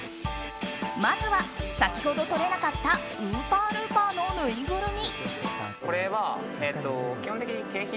まずは先ほど取れなかったウーパールーパーのぬいぐるみ。